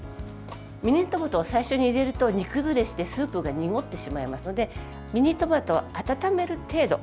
ミニトマトは最初に入れると煮崩れしてスープが濁ってしまいますのでミニトマトは温める程度。